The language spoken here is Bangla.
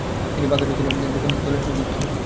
তিনি বাঘা যতীনের যুগান্তর দলের সঙ্গে যুক্ত হন।